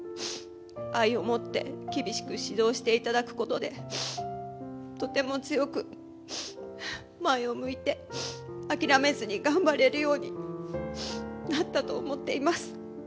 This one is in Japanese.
愛を持って厳しく指導していただくことで、とても強く、前を向いて、諦めずに頑張れるようになったと思っています。